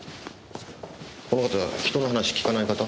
この方人の話聞かない方？